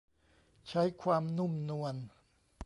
ใช้ความนุ่มนวล